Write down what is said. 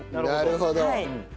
なるほど。